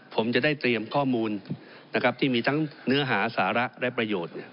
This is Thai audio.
ผมจะได้เตรียมข้อมูลนะครับที่มีทั้งเนื้อหาสาระและประโยชน์